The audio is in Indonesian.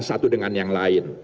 satu dengan yang lain